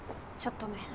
ちょっとね。